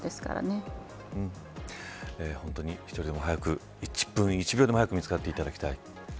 本当に１人でも早く１分１秒でも早く見つかっていただきたい。